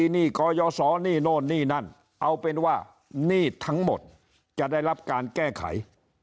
หนี้กยศหนี้โน่นนี่นั่นเอาเป็นว่าหนี้ทั้งหมดจะได้รับการแก้ไข